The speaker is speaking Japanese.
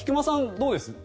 どうです？